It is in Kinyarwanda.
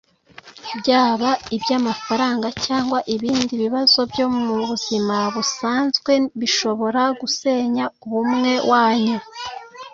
byaba iby’amafaranga cyangwa ibindi bibazo byo mu buzima busanzwe bishobora gusenya ubumwe wanyu